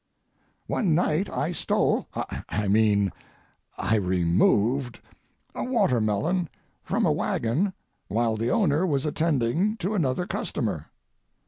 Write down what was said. One night I stole—I mean I removed—a watermelon from a wagon while the owner was attending to another customer.